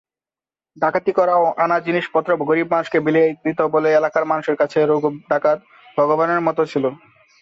ডাকাতি করা আনা জিনিসপত্র গরিব মানুষকে বিলিয়ে দিত বলে এলাকার মানুষের কাছে রঘু ডাকাত ভগবানের মতো ছিল।